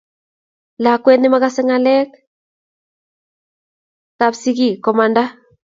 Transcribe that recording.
Lakwet nemagase ngalek kab sigiik komaanda